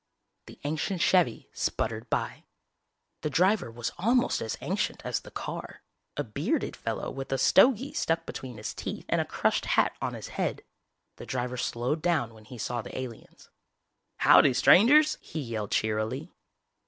The ancient Chevy sputtered by. The driver was almost as ancient as the car, a bearded fellow with a stogy stuck between his teeth and a crushed hat on his head. The driver slowed down when he saw the aliens. "Howdy, strangers!" he yelled cheerily.